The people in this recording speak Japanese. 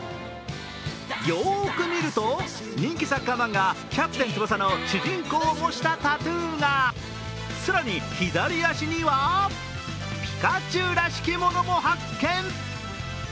よく見ると、人気サッカー漫画「キャプテン翼」の主人公をもしたタトゥーが更に左足にはピカチュウらしきものも発見。